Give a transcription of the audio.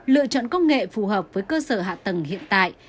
lựa chọn công nghệ phù hợp với cơ sở hạ tầng hiện tại